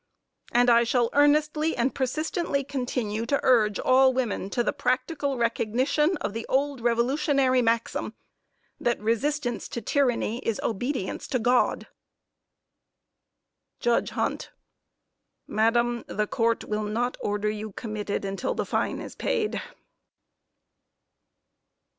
And I shall earnestly and persistently continue to urge all women to the practical recognition of the old revolutionary maxim, that "Resistance to tyranny is obedience to God." JUDGE HUNT Madam, the Court will not order you committed until the fine is paid.